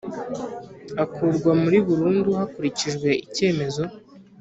akurwa muri burundu hakurikijwe icyemezo